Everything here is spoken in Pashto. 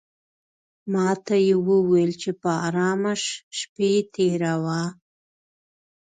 ماته یې وویل چې په آرامه شپې تېروه.